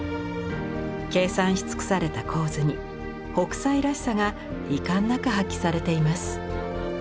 計算し尽くされた構図に北斎らしさが遺憾なく発揮されています。